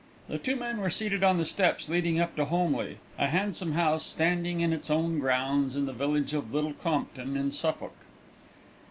The two men were seated on the steps leading up to Holmleigh, a handsome house standing in its own grounds in the village of Little Compton, in Suffolk.